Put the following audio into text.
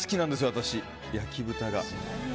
私、焼豚が。